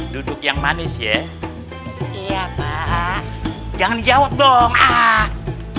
duduk yang manis ya iya pak jangan jawab dong ah udah sedikit dulu aja gue